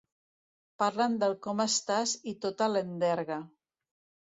Parlen del com estàs i tota l'enderga.